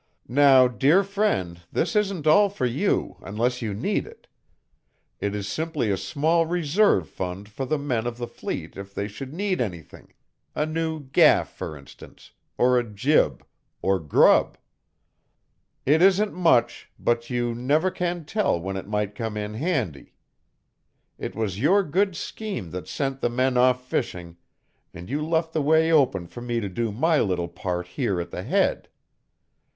Now, dear friend, this isn't all for you unless you need it. It is simply a small reserve fund for the men of the fleet if they should need anything a new gaff, for instance, or a jib, or grub. "It isn't much, but you never can tell when it might come in handy. It was your good scheme that sent the men off fishing, and you left the way open for me to do my little part here at the Head.